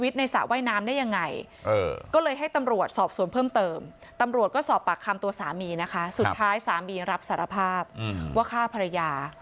ต้องเติมตำรวจก็สอบปากคำตัวสามีนะคะสุดท้ายสามีรับสารภาพอะอืมว่าฆ่าภรรยา